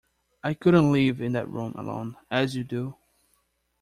I couldn't live in that room alone, as you do.